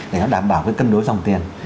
để nó đảm bảo cái cân đối dòng tiền